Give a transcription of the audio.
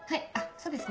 そうですね。